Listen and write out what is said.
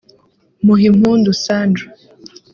Muhimpundu Sandra